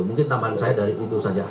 mungkin tambahan saya dari itu saja